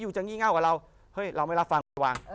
ยูจะงี้เง่ากับเราเฮ้ยเราไม่รับฟัง